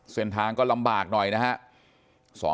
เส้นทางก็ลำบากหน่อยนะครับ